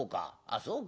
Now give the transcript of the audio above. あそうか。